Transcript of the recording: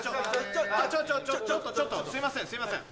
ちょちょちょっとすいませんすいません。